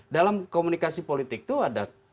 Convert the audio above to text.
dalam komunikasi politik itu ada